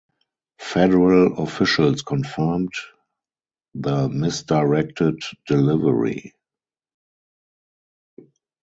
Federal officials confirmed the misdirected delivery.